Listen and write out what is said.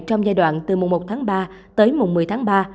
trong giai đoạn từ mùa một tháng ba tới mùng một mươi tháng ba